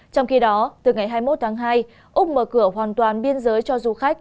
trong khi đó từ ngày hai mươi một tháng hai úc mở cửa hoàn toàn biên giới cho du khách